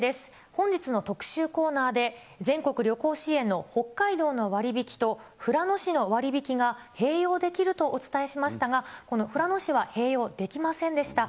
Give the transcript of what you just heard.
本日の特シューコーナーで、全国旅行支援の北海道の割引と、富良野市の割引が併用できるとお伝えしましたが、この富良野市は併用できませんでした。